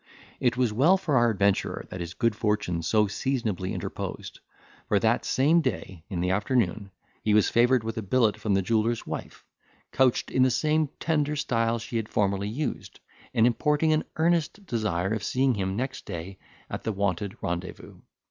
It was well for our adventurer that his good fortune so seasonably interposed; for that same day, in the afternoon, he was favoured with a billet from the jeweller's wife, couched in the same tender style she had formerly used, and importing an earnest desire of seeing him next day at the wonted rendezvous.